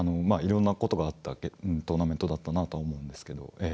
まあいろんなことがあったトーナメントだったなと思うんですけど。